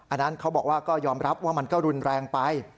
อันนั้นเขาบอกว่าก็ยอมรับว่ามันก็รุนแรงไป